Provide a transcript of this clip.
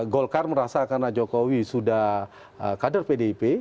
golkar merasa karena jokowi sudah kader pdip